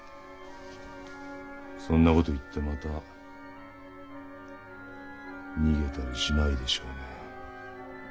そんな事を言ってまた逃げたりしないでしょうね？